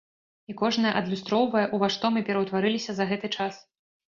І кожная адлюстроўвае, у ва што мы пераўтварыліся за гэты час.